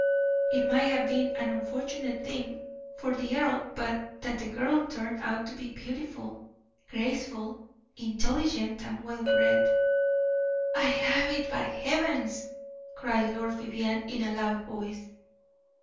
It might have been an unfortunate thing for the earl, but that the girl turned out to be beautiful, graceful, intelligent, and well bred." "I have it, by heavens!" cried Lord Vivianne, in a loud voice.